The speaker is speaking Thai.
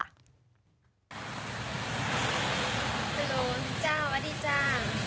ฮัลโหลพระเจ้าอดีตจ้า